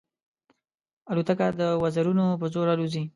الوتکه د وزرونو په زور الوزي.